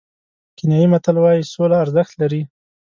کینیايي متل وایي سوله ارزښت لري.